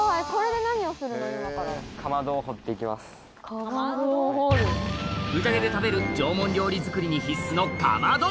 宴で食べる縄文料理作りに必須のかまど